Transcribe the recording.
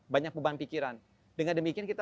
banyak beban pikiran dengan demikian kita